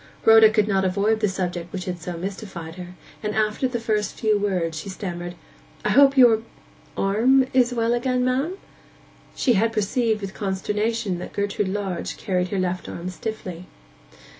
Rhoda could not avoid the subject which had so mystified her, and after the first few words she stammered, 'I hope your—arm is well again, ma'am?' She had perceived with consternation that Gertrude Lodge carried her left arm stiffly.